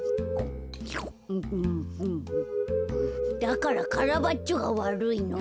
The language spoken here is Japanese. だからカラバッチョがわるいの。